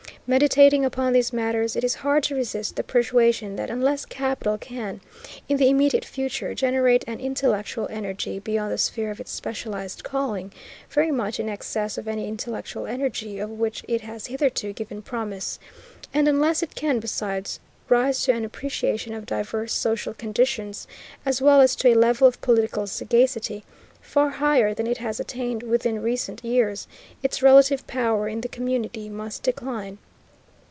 Meditating upon these matters, it is hard to resist the persuasion that unless capital can, in the immediate future, generate an intellectual energy, beyond the sphere of its specialized calling, very much in excess of any intellectual energy of which it has hitherto given promise, and unless it can besides rise to an appreciation of diverse social conditions, as well as to a level of political sagacity, far higher than it has attained within recent years, its relative power in the community must decline.